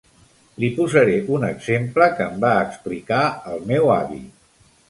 Li posaré un exemple que em va explicar el meu avi.